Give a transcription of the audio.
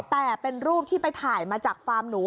แต่เป็นรูปที่ไปถ่ายมาจากฟาร์มหนู